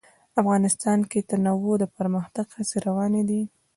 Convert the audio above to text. افغانستان کې د تنوع د پرمختګ هڅې روانې دي.